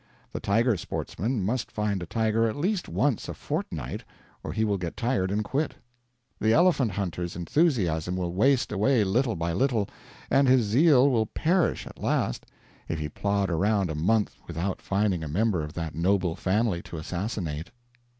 The tiger sportsman must find a tiger at least once a fortnight or he will get tired and quit. The elephant hunter's enthusiasm will waste away little by little, and his zeal will perish at last if he plod around a month without finding a member of that noble family to assassinate.